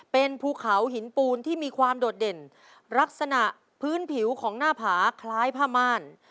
เป็นภูเขาหินปูนที่มีความโดดเด่นลักษณะพื้นผิวของหน้าผาคล้ายผ้าม่าน